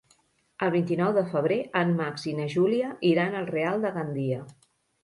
El vint-i-nou de febrer en Max i na Júlia iran al Real de Gandia.